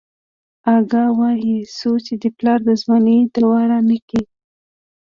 اگه وايي څو چې دې پلار د ځوانۍ دوا رانکي.